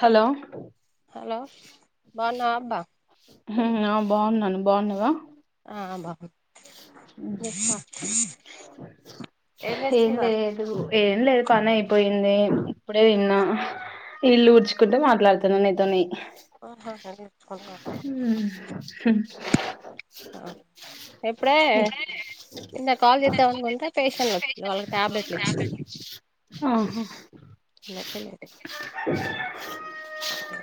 Hello hello బాగున్నావా అబ్బా ఆ బాగున్నాను నువ్వు బాగున్నవ ఆ బాబు ఏం చేస్తున్నారు ఏం లేదు పని అయిపోయింది. ఇప్పుడే తిన్నా ఇల్లు డ్చుకుంటూ మాట్లాడుతున్నా నీతోనే ఆహా ఇల్లు ఊడుచుకుంటూ మాట్లాడుతున్నావా అ ఆ ఇప్పుడే నిన్న కాల్ చేద్దాం అనుకుంటే పేషెంట్లు వచీర్ర్ వాళ్ళకి ట్యాబ్లెట్లు ఇచ్చినా ఆహా [unintelligible] స ఆహా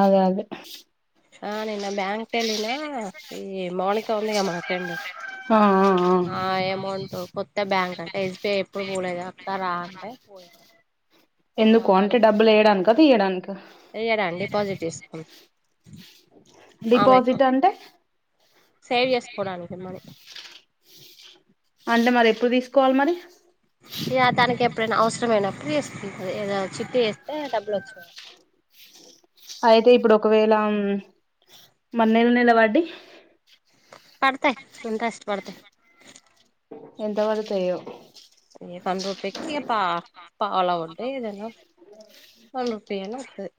అదే అదే ఆ నిన్న బ్యాంక్ వెళ్ళిన ఇది మౌనిక ఉందిగా మన ఫ్రెండ్ ఆ ఆ ఆ అమౌంట్ కొత్త బ్యాంక్ అంటే ఎస్బిఐ ఎప్పుడు పోలేదు. అక్క రా అంటే పోయి ఎందుకు అంటే డబ్బులు వేయడానిక తీయడానిక ఏయ్యడా డిపాజిట్ చేసుకో డిపాజిట్ అంటే సేవ్ చేసుకోవడానికి మని అంటే మరి ఎప్పుడు తీసుకోవాలి మరి ఇగా తననకి ఎప్పుడైనా అవసరం ఆయినప్పుడు వేసుకుంటది ఏదైనా చిట్టి వేస్తే డబ్బులు వచ్చా అయితే ఇప్పుడు ఒకవేళ మరీ నెల నెల వడ్డి పడతాయి ఇంట్రెస్ట్ పడతయి ఎంతా పడా తయో ఇగ వన్ రూపికి ఇగ పా పావాల వడ్డీ ఏదైనా వాస్ వన్ రూపి ఏనా వత్తది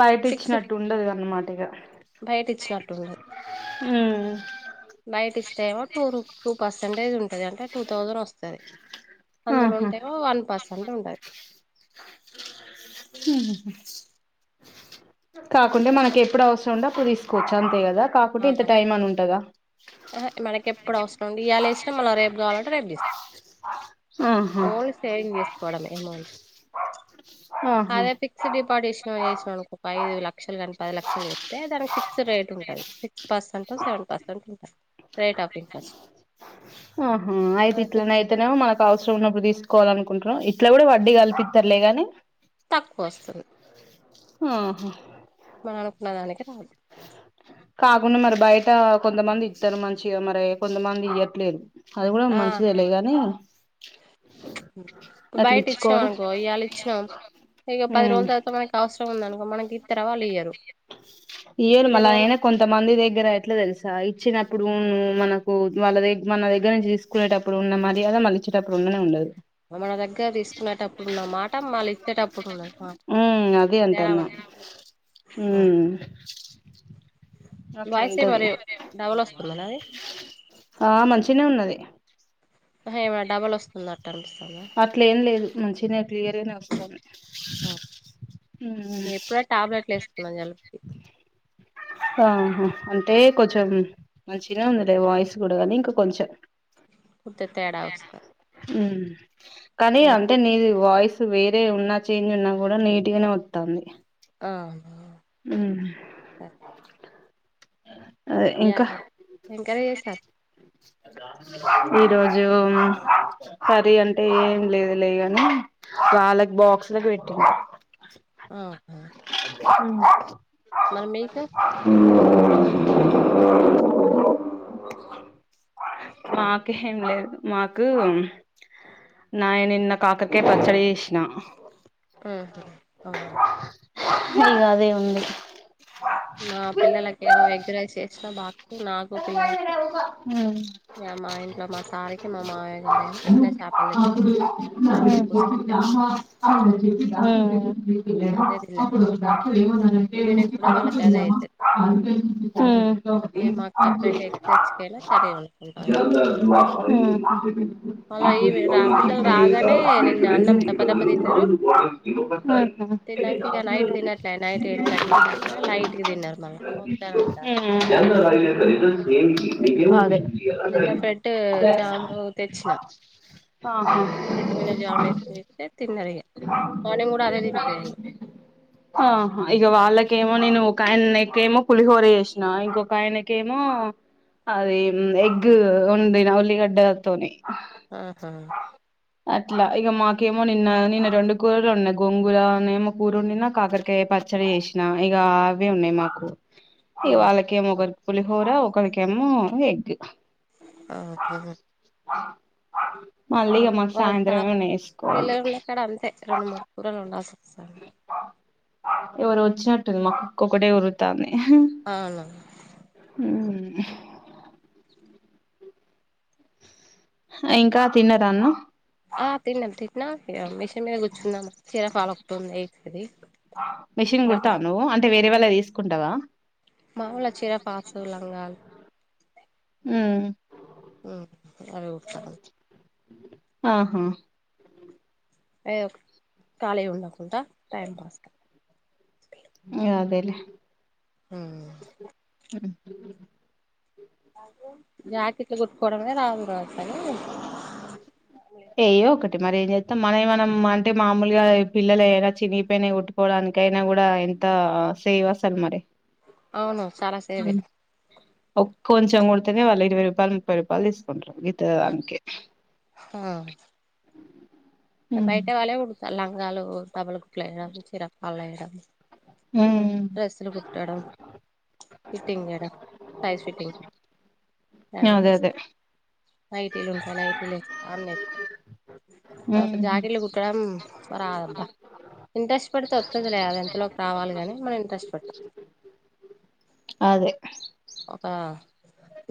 బయట ఇచ్చినట్టు ఉండదు అన్నమాట ఇగా బయట ఇచ్చినట్టు ఉండదు హ్ బయట ఇస్తే ఏమో టూ టూ పర్సంటేజ్ ఉంటది అంటే టూ థౌజండ్ వస్తది. అందులో ఆహా ఉంటే ఏమో వన్ పర్స్సెంట్ ఉంటది హ్ కాకుంటే మనకి ఎప్పుడు అవసరం ఉంటె అప్పుడు తీసుకోవచ్చు. అంతే గాదా ఆ కాకుంటే ఇంత ఆహా టైం అని ఉంటద మనకి ఎప్పుడు అవసరం ఉండి ఇయల ఏసినా మళ్ళ రేపు కావాలంటే రేపు తీసుకోవచ్చు ఆహా ఓన్లీ సేవింగ్ చేసుకోవడమే ఏమౌంట్ ఆహా అదే ఫిక్స్డ్ డిపాజిట్ చేసినవు చేసినవు అనుకో ఒక ఐదు లక్షలు కానీ పది లక్షలు చెత్తే దానికి ఫిక్స్డ్ రేట్ ఉంటది సిక్స్ పర్సెంటో సెవెన్ పర్సెంటో ఉంటది రేట్ ఆఫ్ ఇంట్రెస్ట్ ఆహా ఆయితే ఇట్లనే ఇతను మనకు అవసరం ఉన్నప్పుడు తీసుకోవాల అనుకుంటున్నాం ఇట్లా కూడా వడ్డీ కల్పితారులే గాని తక్కువ వస్తది ఆహా మనం అనుకున్న దానికి రాదు కాకుండా మరి బయట కొంతమంది ఇస్తారు మంచిగా మరి కొంతమంది ఇయట్లేదు. అది కూడా ఆ మంచిదే లె గానీ బయట ఇచ్చినాం అనుకో ఇయాళ ఇచ్చినాం ఇక పది ఉమ్ రోజుల తర్వాత మనకు అవసరం ఉందనుకో మనకి ఇత్తర వాళ్ళు ఇయ్యరు. ఏయళ ఇన్ని మళ రోజులు ఆయన కొంత మంది దగ్గర ఎట్లా తెలుసా ఇచ్చినప్పుడు నువ్వు మనకు వాళ్ళ దే మన దగ్గర నుంచి తీసు కునేటప్పుడు ఉన్న మర్యాద మళ్లిచేటప్పుడు ఉన్ననే ఉండదు. మన దగ్గర తీసుకునేటప్పుడున్న మాట మళ్ళ ఇచ్చేటప్పుడు ఉండదు మాట తేడావడం హ అట్లా వాయిసే ఉంటది మరి డబల్ వస్తుందా నాది ఆ మంచినే ఉన్నది. ఏమ డబల్ వస్తుందట్టు అనిపిస్తాదా? అట్ల ఏం లేదు మంచిగా క్లియర్ అనే వస్తుంది అ నేను ఎప్పుడే టాబ్లెట్లు వేసుకున్నాను జలుబుకి ఆహ అంటే కొంచెం మంచిన ఉందిలే వాయిస్ కూడా కానీ ఇంకా కొంచెం పూర్తి తేడా వస్తాంది మ్ కానీ ఇంగ అంటే పూర్ నీది వాయిస్ వేరే ఉన్నా చేంజ్ ఉన్నా కూడా నీట్ గానే వత్తాన్ది. ఆ ఉ సరే ఇంకా ఎలాన్ ఎంకరేజ్ చేస్తారు ఈరోజు కరి అంటే ఏం లేదు లేగాని వాళ్ళకి బాక్స్లలకు పెట్టిండి ఆ ఓకే మ్ మర మీక [inaudible] మాకు ఏం లేదు మాకు నాయను నిన్న కాకరకాయ పచ్చడి చేసిన ఆహ అవున ఇగ అదే ఉంది మా పిల్లలకు ఏమో ఎగ్రైస్ చేసినా బాక్సికి నాకు పిల్లలకి య మా ఇంట్లో మా సారికి, మా మావయ్య గారేమో చిన్న చేపలు తెచ్చుకున్నాము చేపలు పూసిపెట్టా అదే తిన్నారు వాళ్ళు ఊఉ ఈవినింగ్ కూడా వాళ్ళకి అదే అయితది ఉమ్ ఇగ మాకు సపరేట్ ఎగ్ జల్ద తెచ్చుకైనా కర్రీ వండుకుంటాం ఇగ ఉమ్ మళ్ళా ఉహు ఇవి రా ఊఉ పిల్లలు రాగానే నిన్న అన్నం దప్పదప్ప తిన్నారు తిన్నాక ఇగ నైట్ తినట్లే నైట్ ఎయిట్ థర్టీకి అట్లా లైట్ గా తిన్నారు మళ్ళా వద్దని అంటారు ఇగ అదే నిన్న బ్రెడ్ జాము ఆహా బ్రేడ్ మీద జామ్ వేసిస్తే తిన్నారు ఇగ మార్నింగ్ కూడా అదే తినిపియాలి. ఆహా ఇగ వాళ్ళకేమో నేను ఒక ఆయనక్కేమో పులిహోర చేసినా ఇంకొకా ఆయన కేమో అది ఎగ్ వండిన ఉల్లిగడ్డతోని ఆహా అట్లా ఇగ మాకేమో నిన్న నిన్న రెండు కూరలు ఉన్నాయి గొంగురనేమో కూర వండి నా కాకర్ య్ పచ్చడి చేేసిన ఇగ్ అవి ఉన్నాయి మాకు ఇగ వాళ్ళకేమో ఒకరికి పులిహోర ఒకరికేమో ఎగ్ మళ్ళీ ఇగ మాకు సాయంత్రం ఏమన్న చేసుకోవాలి క్కడ అంతే రెండు మూడు కూరలు వండల్సి వస్తది ఎవరో వచ్చినట్టుంది మా కుక్క ఒక్కటే ఓర్రుతాంది అవున మ్ ఆ ఇంకా తిన్నరా అన్నం ఆ తిన్నా తిన్నా ఇగ మిషన్ మీద కూర్చున్నాాం చీర ఫల్ ఒకటుంది ఏసేది మెషిన్ కుడతావ చీరఫాల్ నువ్ అంటే వేరే వాళ్ళయి తీసుకుంటావా మములుగ చీర పల్స్ లంగల్ ఉమ్, మ్ అవి కుడుత ఆహా ఏదో ఖాళీగ ఉండకుండా టైం పాస్ కా అదేలే మ్ అ జాకిట్లు కుట్టుకోవడమే [unintelligible] ఏయ్యో ఒకటి మరి ఏం చేతం మనయి మనం అంటే మామూలుగా పిల్లలయి అయినా చినిగిపోయినాయి కుట్టుకోవడానికైనా కూడా ఎం త సేవ్ అసలు మరి అవును చాలా సేవే ఒక్ కొంచెం కుడితేనే వాళ్ళు ఇరవై రూపాయలు ముప్పై రూపాయలు తీసుకుంటారు గీత్త దానికి హా అ బయటే వాళ్ళయే కుడుత లంగాలు డబల్ కుట్లు వేయడం చిరల పళ్ళు వేయడం మా డ్రెస్లు కుట్టడం ఫిట్టింగ్ చేయడం సైజ్ ఫిట్టింగ్ ఇవన్నీ అదే చేస్తా అదే నైటీలు ఉంటే నైటిలు వేస్త అన్ని ఏత్త నాకు ఉమ్ జాకిట్లు కుట్టడము మరిదబ్బా ఇంట్రెస్ట్ పెడితే వస్తది లే అది ఎంతలోప్ రావాలి కానీ మనం ఇంట్రెస్ట్ పెటం అదే ఒక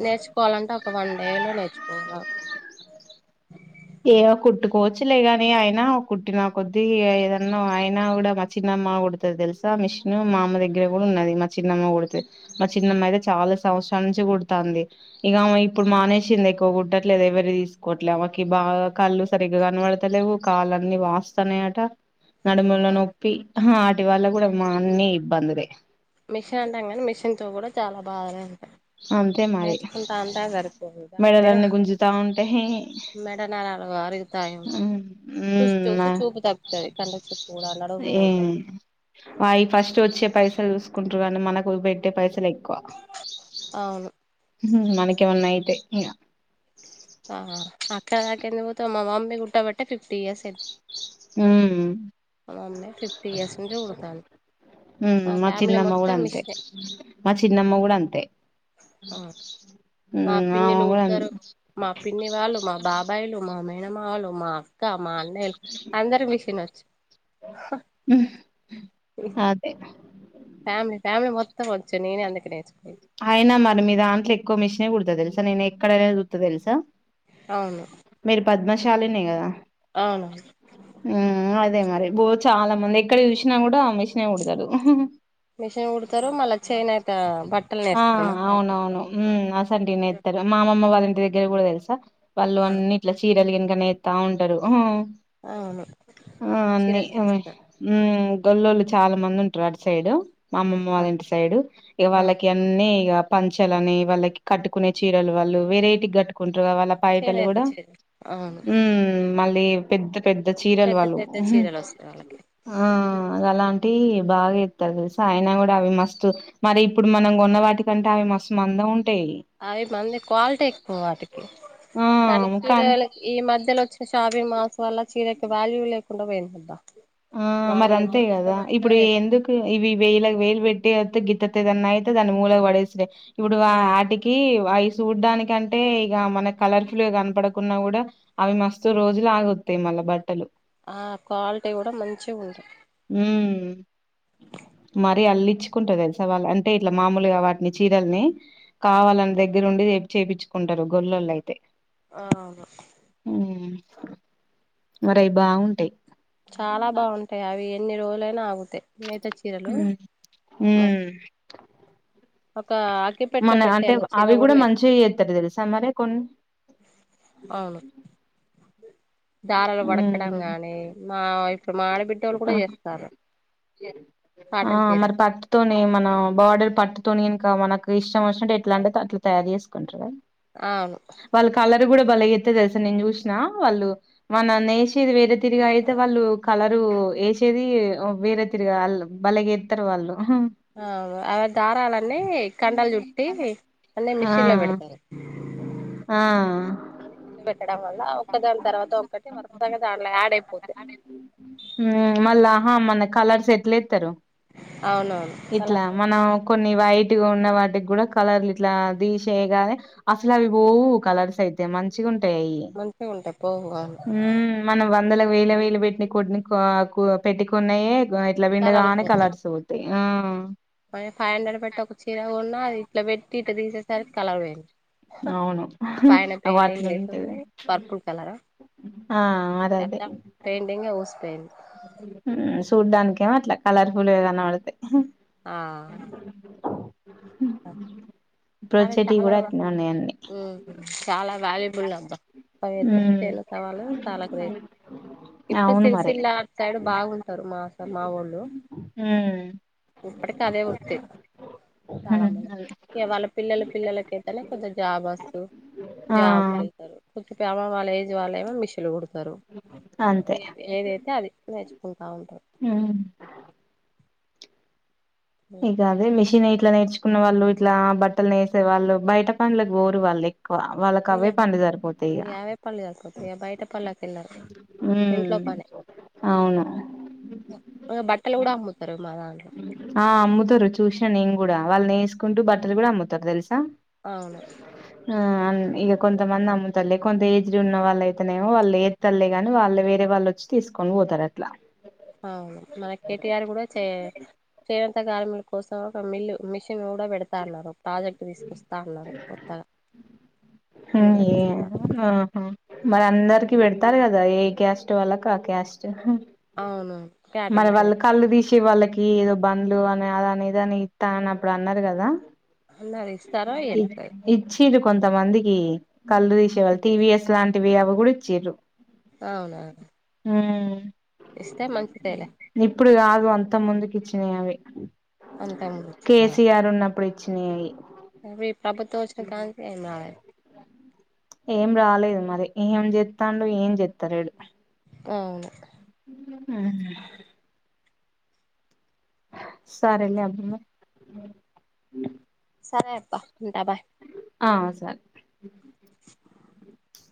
నేర్చుకోవాలంటే ఒక వన్ డేలో నేర్చుకోవాల ఇగ కుట్టుకోవచ్చులే కని అయినా కుట్టి నాక కొద్ధిఏదన్నా అయినా కూడా మా చిన్నమ్మ కుడ్ తది తెలుసా మిషన్ మా అమ్మ దగ్గర కూడా ఉన్నది మా చిన్నమ్మ కుడుతది మా చిన్నమ్మాయితే చాలా సంవత్సరాల నుంచి కుడుతంది ఇగ ఆమె ఇప్పుడు మానేసింది ఎక్కువ కుట్టట్లేదు ఎవరిది తీసుకోవట్లే అవక్ కి బాగా కళ్ళు సరిగ్గా కనబడుతలేవు కాళ్లు అన్ని వాస్తున్నయట నడుముల నొప్పి వాటి వల్ల కూడా మా అన్ని ఇబ్బందులే మిషన్ అంటాం కానీ మిషన్ తో కూడా చాలా బాధనే ఉంటాయి అంతే మరి నేర్చుకుంటా అంతా గరిపోతది దాని మీద తా ఉంటాయి మేడనా అల అరుగుతాయి చూసి చూసి ఉమ్ చూపు తగ్గుతది కంటి చూపు కూడా నడుము పోతది అవి ఫస్ట్ వచ్చే పైసలు చూసుకుంటరు కానీ మనకు పెట్టే పైసలు ఎక్కువ అవును మనకేమన్నా అయితే ఇంగ ఆహా అక్కడ కింద పోత మా మమ్మీ పుట్టబట్టే ఫిఫ్టీ ఇయర్స్ అయితు ఊ మమ్మీ ఫిఫ్టీ ఇయర్స్ నుంచి కుడతాంది ఉ మా ఫ్యామిలీ చిన్నమ్మ కూడా మొత్తం అంతే మిషనే మా చిన్నమ్మ కూడా అంతే అ మా ఉమ్ ఆమె పిన్నిలు కూడా పుడతారు మా పిన్ని వాళ్ళు మా బాబాయిలు మా మే మేనమామలు మా అక్క మా అన్నయలు అందరు మిషినొచ్చు ఉ ఇ అదే ఫ్యామిలీ ఫ్యామిలీ మొత్తం వచ్చు నేనే అందుకు నేర్చుకో అయినా మరి మీ దాంట్లో ఎక్కువ మిషినె కుడత తెలుసా నేను ఎక్కడైనా చూత్త తెలుసా అవును మీరు పద్మశాలినే కదా అవును ఉమ్ అదే మరి బో చాలా మంది ఎక్కడ చూసినా కూడా మిషనే కూడతారు మిషన్ కుడతారు మళ్ళా చేనేత బట్ ఆ అవునవును ఉమ్ అసంటీ నెత్తరు మా అమమ్మ వాళ్ళ ఇంటి దగ్గర కూడా తెలుసా వాళ్ళు ఆ అన్ని ఇట్ల చీరలు గినిక నేర్ తా ఉంటారు హు అవును ఆ అన్ని చీరలు అమె నేస్తారు ఉ గొల్లోళ్ళు చాలా మంది ఉంటారు అటు సైడు మా అమ్మమ్మ వాళ్ళ ఆ ఇంటి సైడు ఇగ ఆ వాళ్ళ గన్నీ ఇగ పంచలని వాళ్ళకి కట్టుకునే చీరలు వాళ్ళు వెరైటీ గట్టుకుంటారు వాళ్ళ పైటలు చేనేత కూడా చీరలు అవును ఉమ్ మళ్ళీ పెద్ద పెద్ద చీరలు పెద్ద వాళ్ళు పెద్ద హు చీరలు వస్తాయి వాళ్ళకి ఆ అలా టి బాగా ఇత్తరు తెలుసా అయినా కూడా అవి మస్తు మరి ఇప్పుడు మనం కొన్న వాటికంటే అవి మస్తు మందంగా ఉంటాయి అవి మంది క్వాలిటీ ఎక్కువ వాటికి ఆ కానీ ముఖాన్ చీరలు ఈ మధ్యలో వచ్ షాపింగ్ మాల్స్ వల్ల చీరకి వాల్యూ లేకుండ పోయింది బా ఆ మరి అంతే కదా ఇప్పుడు ఎందుకు ఇవి వేలకు వేలు పెట్టి అ గితతదన్న అయితే దాన్ని మూలకు పడేత్తే ఇప్పుడు ఆటికి ఈ అయి చూడ్డానికి అంటే ఇక మన కలర్ఫుల్ గా కనపడకున్నా కూడా అవి మస్తు రోజులు ఆగుతాయి మళ్ళా బట్టలు ఆ క్వాలిటీ కూడా మంచిగా ఉంటది ఉ మరీ అల్లించుకుంటారు తెలుస వాళ్ళ అంటే ఇట్లా మామూలుగా వాటిని చీరల్ని కావాలని దగ్గర ఉండి చేపించుకుంటారు గొల్లొల్లు అయితే ఆహా మరి అవి బాగుంటాయి చాలా బాగుంటాయి అవి ఎన్ని రోజులైనా ఆగుతాయి నేత చీరలు ఉమ్ ఉమ్ ఒక అగ్గిపెట్లో మన అంటే పెట్టేంత చీర అవి కూడా నేస్తా మంచిగా చేస్తారు తెలుసా మరి కొన్ని అవును దారలు వడకడం ఉమ్ గానీ మా ఇప్పుడు మాఆడబిడ్డ వాళ్ళు కూడా ఆ చేస్తారు ఆ కాటన్ మరి చీరలు పట్టుతోనే మన బోర్డర్ పట్టుతోనే ఇంకా మనకు ఇష్టం వచ్చినట్టు ఎట్లా అంటే అట్లా తయారు చేసుకుంటారు అవును వాళ్ళు కలర్ కూడా బలే ఎతుది తెలుసా నేను చూసిన వాళ్ళు మన నేసేది వేరే తిరిగా అయితే వాళ్ళు కలరు వేసేది వేరే తిరిగా వాళ్ళు బలే గేత్తరు వాళ్ళు అవి దారాలన్నీ కండలు చుట్టి అన్ని ఆ మిషన్ ల పెడతారు ఆ ఇంజక్షన్లు పెట్టడం వల్ల ఒక దాని తర్వాత ఒక్కటి వరుసగా దాంట్లో యాడ్ అయిపోతాయి మళ్ళాహా మన కలర్స్ ఎట్ల ఎత్తరు అవునవును చాలా ఇట్లా సోల్ మన కొన్ని వైట్గా ఉన్న వాటికి కూడా కలర్లు ఇట్లా తీసేయగా అసలు అవి పోవు కలర్స్ అయితే మంచిగా ఉంటాయి మంచిగా ఉంటాయి పోవు అవును మనం వందల వేల వేలు పెట్టి కొన పెట్టికున్నాయే ఇట్లా కలర్లు పీండగానే కలర్స్ పోతాయి ఆ మ ఫైవ్ హండ్రెడ్ పెట్టి ఒక చీర కొన్న అది ఇట్లా పెట్టి ఇట తీసే సారి కలర్ పొయింది అవును పైన అగో పెయింటింగ్ వేసుంది అట్లుంటది పర్పుల్ కలరు ఆ అదదే పెయింటింగే ఉసి పెయిం చూడ్డానికేమో అట్లా కలర్ఫుల్గా కనపడతాయి ఆ ఇప్పుడు కానీ వచ్చేటియి చాలా కూడా అట్లే ఉన్నాయి అన్నీ ఉమ్ చాలా వాల్యూబుల్ అబ్బా పదైతె హ్మ్ తేలు కావాలు చాలా గ్రేట్ ఇప్పుడు అవును మరి సిరిసిల్ల సైడ్ బాగుంటారు మాస మావోళ్ళు మ్ ఇప్పటికి అదే వృత్తి చాలా మంది అదే. ఇక వాళ్ళ పిల్లల పిల్లలకైతేనే కొద్ది జాబ్ వస్తు ఆ జాబ్కి వెళ్తారు చుట్ప అమ వాళ్ళ ఏజ్ వాళ్ళమో మిషీన్లు కుడతారు అంతే ఏ ఏదైతే అది నేర్చుకుంటా ఉంటం ఆ ఇకదే మిషిన్ ఇట్లా నేర్చుకున్న వాళ్ళు ఇట్లా బట్టలు నేసే వాళ్ళు బయట పన్లకి పోరు వాళ్ళు వాళకు ఇ యావే పన్లు సరిపోతాయి కదా బయట పన్లకెలరు ఉమ్ అవును అ బట్టల కూడా అమ్ముతరు మాదాంట్ల ఆ అమ్ముతారు చూసిన నేను కూడా వాళ్ళు నేసుకుంటూ బట్టలు కూడా అమ్ముతారు తెలుసా అవును ఆ ఇక కొంతమంది అమ్ముతలే కొంత ఏజ్డ్ ఉన్న వాళ్ళయితేనేమో ఎత్తరులే కాని వాళ్ళు వేరే వాళ్ళు వచ్చ తీసుకొని పోతారు అట్లా అవును మన కేటిఆర్ కూడా చే చేనేత గార్మి కోసం ఒక మిల్లు మిషన్ కూడా పెడతా అన్నారు ప్రాజెక్టు తీసుకొస్తా అన్నారు కొత్తగా హ్మ్ ఇంకా ఏ తీస్తా ఆహా మరి అందరికి పెడతారు కదా ఏ క్యాస్ట్ వాళ్ళకు ఆ క్యాస్ట్ అవును మరి కేటగిరీ వాళ్ళు కళ్ళు తీసి వాళ్ళకి ఏదో బందు అని అది అని ఇది అని ఇత్త అని అప్పుడు అన్నారు కదా ఉన్నది ఇచ్చీర్లు కొంతమందికి కళ్ళు తీసేవాళ్ళు టీవిఎస్ లాంటి వి అవి గూడ ఇచ్చిర్రు అవునా హుమ్ ఇస్తే మంచిదేలే ఇప్పుడు కాదు అంత ముందుకి ఇచ్చినయి అవి అంతకు ముందు ఇచ్చిన కేసీఆర్ ఉన్నప్పుడు చెయ్యాయి ఇవి ప్రభుత్వం వచ్చిన కాంచీ ఏం రాలే ఏం రాలేదు మరి ఏం చెత్తండు ఏం చెత్తలేడు అవును హమ్ సరేలే అంటున్న సరే అబ్బా ఉంటా బాయ్ ఆ స [inaudible]